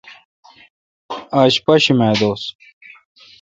آج پاشیمہ دوس۔